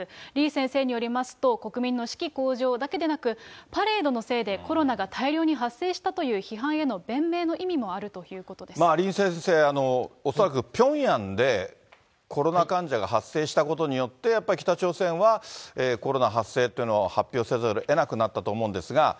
李先生によりますと、国民の士気向上だけでなく、パレードのせいでコロナが大量に発生したという批判への弁明の意李先生、恐らくピョンヤンで、コロナ患者が発生したことによって、北朝鮮はコロナ発生っていうのを発表せざるをえなくなったと思うんですが。